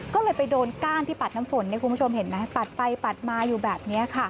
ก็เลยไปโดนก้านที่ปัดน้ำฝนคุณผู้ชมเห็นไหมปัดไปปัดมาอยู่แบบนี้ค่ะ